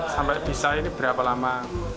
sampai bisa ini berapa lama